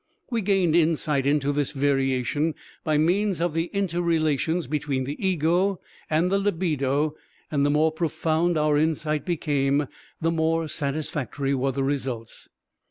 We gained insight into this variation by means of the interrelations between the ego and the libido, and the more profound our insight became, the more satisfactory were the results.